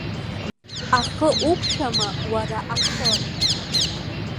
Ахы уқәшәама, уара, ахы?!